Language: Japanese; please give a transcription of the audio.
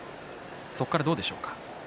そこからどうでしょうか。